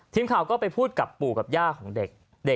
ทีมข่าวก็ไปพูดกับปู่กับย่าของเด็ก